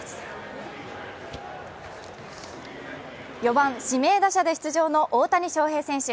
４番・指名打者で出場の大谷翔平選手。